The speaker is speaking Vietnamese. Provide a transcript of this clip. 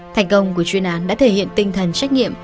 thành công của chuyên án đã thể hiện tinh thần trách nhiệm